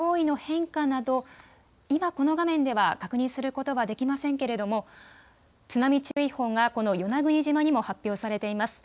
潮位の変化など今、この画面では確認することはできませんけれども津波注意報がこの与那国島にも発表されています。